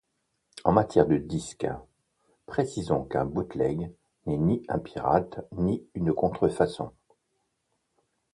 En matière de disques, précisons qu'un bootleg n'est ni un pirate, ni une contrefaçon.